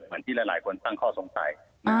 เหมือนที่หลายคนตั้งข้อสงสัย